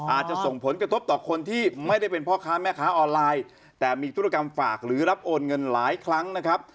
อาจจะส่งผลกระทบต่อคนที่ไม่ได้เป็นพ่อค้าแม่ค้าออนไลน์แต่มีธุรกรรมฝากหรือรับโอนเงินหลายครั้งนะครับ